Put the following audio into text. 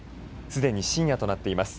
すでに深夜となっています。